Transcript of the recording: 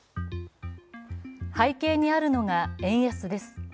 背景にあるのが円安です。